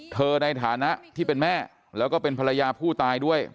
ในฐานะที่เป็นแม่แล้วก็เป็นภรรยาผู้ตายด้วย